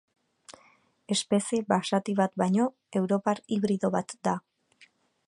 Espezie basati bat baino europar hibrido bat da.